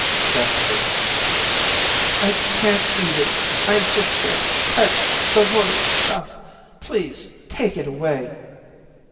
Beth burst into tears. "I can't eat it. I just can't touch the horrid stuff. Please take it away."